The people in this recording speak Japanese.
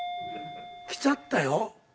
来ちゃったよ。